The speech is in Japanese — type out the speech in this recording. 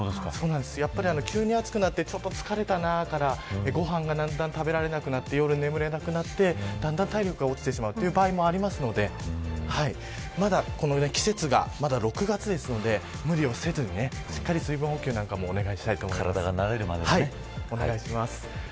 やっぱり急に暑くなって疲れたな、からご飯が食べられなくなって夜眠れなくなって、だんだん体力が落ちてしまうという場合もありますのでまだ季節が６月ですので無理をせずにしっかり水分補給もお願いしたいと思います。